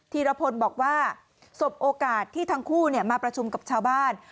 ีรพลบอกว่าสบโอกาสที่ทั้งคู่มาประชุมกับชาวบ้าน